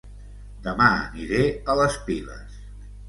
Dema aniré a Les Piles